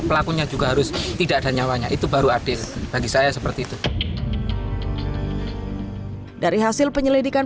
pelakunya juga harus tidak ada nyawanya itu baru adil bagi saya seperti itu dari hasil penyelidikan